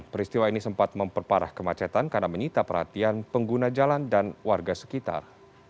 peristiwa ini sempat memperparah kemacetan karena menyita perhatian pengguna jalan dan warga sekitar